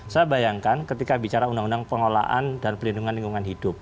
saya bayangkan ketika bicara undang undang pengolahan dan pelindungan lingkungan hidup